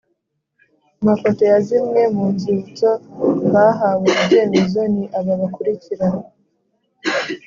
mafoto ya zimwe mu nzibutso bahawe ibyemezo ni aba bakurikira